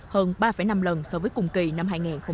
hơn ba năm lần so với cùng kỳ năm hai nghìn hai mươi ba